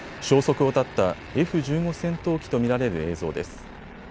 消息を絶ったＦ１５戦闘機と見られる映像です。